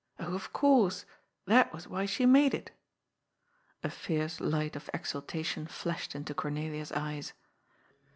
Oh, of course ; that was why she made it !" •^a fierce light of exultation flashed into Cornelia's eyes.